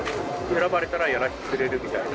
選ばれたらやらせてくれるみたいな？